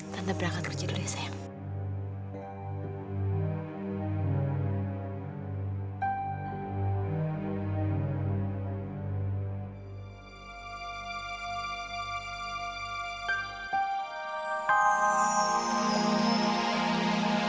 tante berangkat berjuru ya sayang